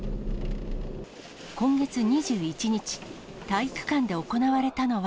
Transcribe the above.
今月２１日、体育館で行われたのは。